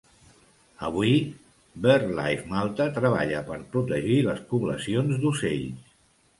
Avui Birdlife Malta treballa per protegir les poblacions d'ocells.